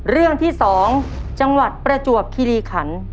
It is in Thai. เรื่องที่๒จังหวัดประจวบคิริขัน